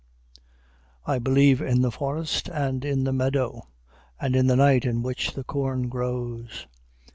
I believe in the forest, and in the meadow, and in the night in which the corn grows.